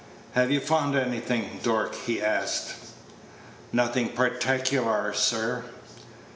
"Have you found anything, Dork?" he asked. "Nothing particklar, sir."